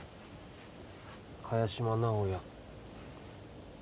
萱島直哉